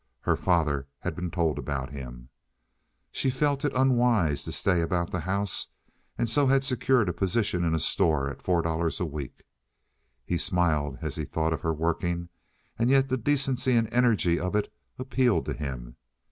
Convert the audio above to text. Her father had been told about him. She had felt it unwise to stay about the house, and so had secured a position in a store at four dollars a week. He smiled as he thought of her working, and yet the decency and energy of it appealed to him.